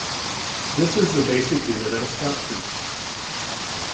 This is the basic unit of a Scout troop.